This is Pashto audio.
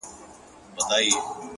o ځوان ولاړ سو؛